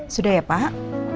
sudah ya pak